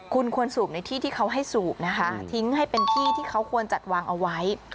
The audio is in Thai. คุณควรสูบในที่ที่เขาให้สูบนะคะทิ้งให้เป็นที่ที่เขาควรจัดวางเอาไว้